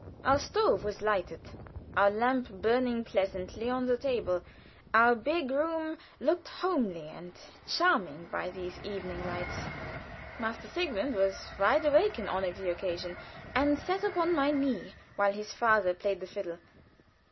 Our stove was lighted; our lamp burned pleasantly on the table; our big room looked homely and charming by these evening lights. Master Sigmund was wide awake in honor of the occasion, and sat upon my knee while his father played the fiddle.